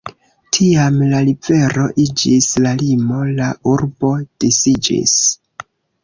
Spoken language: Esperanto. Tiam la rivero iĝis la limo, la urbo disiĝis.